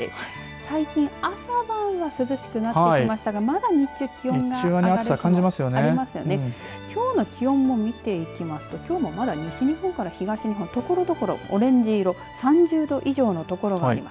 最近、朝晩は涼しくなってきましたがまだ日中、気温がきょうの気温も見ていきますときょうも、まだ西日本から東日本ところどころオレンジ色、３０度以上の所があります。